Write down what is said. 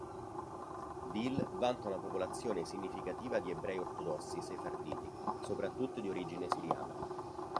Deal vanta una popolazione significativa di ebrei ortodossi sefarditi, soprattutto di origine siriana.